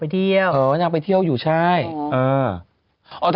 จะไปดูบ้าน